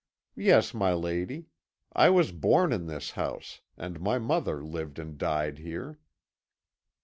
"'Yes, my lady. I was born in this house, and my mother lived and died here.'